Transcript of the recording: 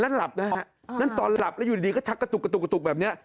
และหลับนะครับนั่นตอนหลับแล้วอยู่ดีก็ชักกระตุกแบบนี้